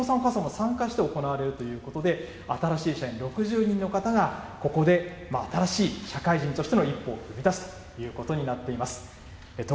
このあと、入社式というのは親御さん、お父さんお母さんも参加して行われるということで、新しい社員６０人の方がここで新しい社会人としての一歩を踏み出すということになっています。